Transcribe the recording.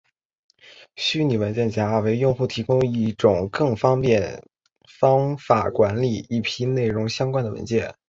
虚拟文件夹为用户提供一种更方便方法管理一批内容相关的文件。